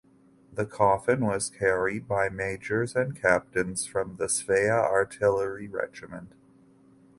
The coffin was carried by majors and captains from the Svea Artillery Regiment.